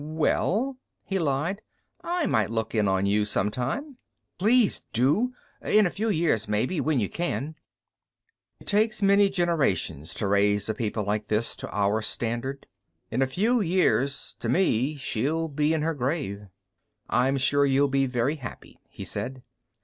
"Well," he lied, "I might look in on you sometime." "Please do! In a few years, maybe, when you can." It takes many generations to raise a people like this to our standard. In a few years to me she'll be in her grave. "I'm sure you'll be very happy," he said.